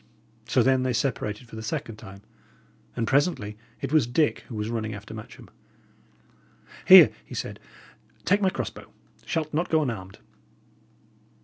So then they separated for the second time; and presently it was Dick who was running after Matcham. "Here," he said, "take my cross bow; shalt not go unarmed."